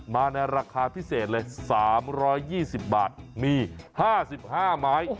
มาในราคาพิเศษเลย๓๒๐บาทมี๕๕ไม้